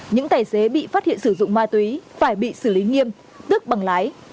những tài xế bị phát hiện sử dụng ma túy phải bị xử lý nghiêm tước bằng lái